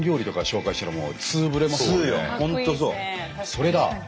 それだ。